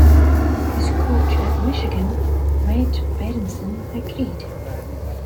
His coach at Michigan, Red Berenson, agreed.